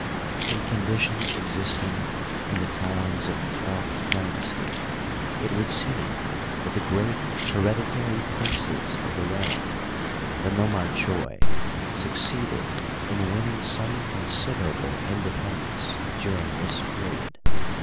From conditions existing in the times of the twelfth dynasty it would seem that the great hereditary princes of the realm, the nomar choi, succeeded in winning some considerable independ ence during this period.